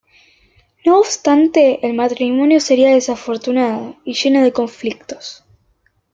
No obstante, el matrimonio sería desafortunado y lleno de conflictos.